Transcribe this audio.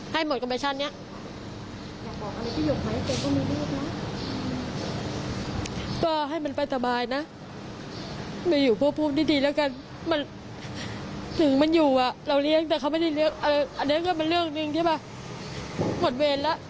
หมดเวรแล้วไม่ต้องเหนื่อยแล้ว